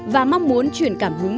và mong muốn truyền cảm hứng